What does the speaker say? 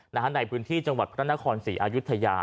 ในพื้นที่จังหวัดพระนครศรีอายุทยา